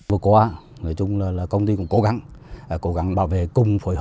vừa qua công ty cũng cố gắng bảo vệ cung